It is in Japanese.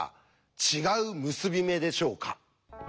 違う結び目でしょうか？